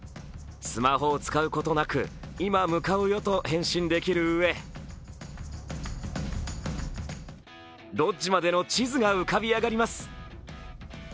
スマホを使うことなく「今向かうよ」と返信できるうえ、ロッジまでの地図が浮かび上がります。